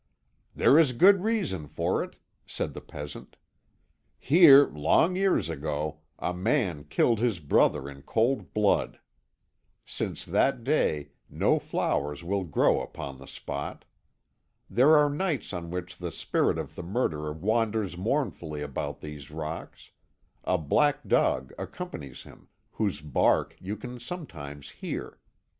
"There is good reason for it," said the peasant; "here, long years ago, a man killed his brother in cold blood. Since that day no flowers will grow upon the spot. There are nights on which the spirit of the murderer wanders mournfully about these rocks; a black dog accompanies him, whose bark you can sometimes hear.